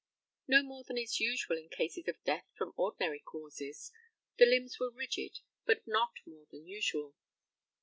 Not more than is usual in cases of death from ordinary causes. The limbs were rigid, but not more than usual.